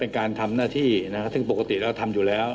เป็นการทำหน้าที่นะครับซึ่งปกติเราทำอยู่แล้ว